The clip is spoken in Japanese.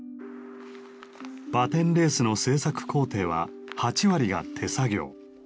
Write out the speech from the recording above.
バテンレースの制作工程は８割が手作業。